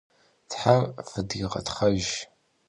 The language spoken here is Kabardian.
Them fıdêğetxhejj!